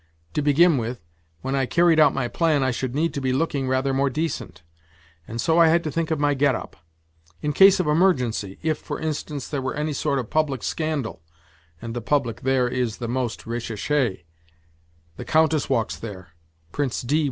To begin with, when I carried out my plan I should need to be looking rather more decent, and so I had to think of my get up. " In case of emergency, if, for instance, there were any sort of public scandal (and the public there is of the most recherchd : the Counteas walks there ; Prince D.